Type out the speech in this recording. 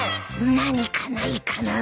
何かないかな